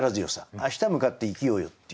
明日へ向かって生きようよっていう。